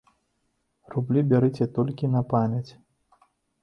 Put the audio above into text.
Рублі бярыце толькі на памяць.